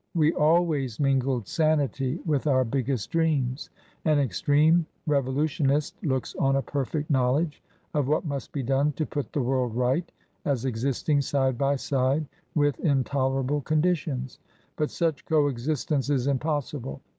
We always mingled sanity with our biggest dreams. An extreme Revolutionist looks on a perfect knowledge of what must be done to put the world right, as existing side by side with intolerable conditions. But such co existence is impossible.